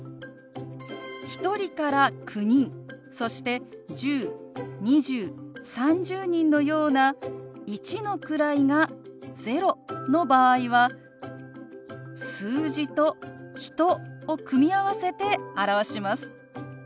１人から９人そして１０２０３０人のような一の位が０の場合は「数字」と「人」を組み合わせて表します。